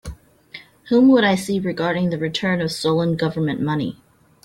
Whom would I see regarding the return of stolen Government money?